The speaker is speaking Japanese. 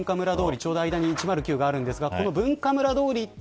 ちょうど間に１０９があるんですが文化村通りを行った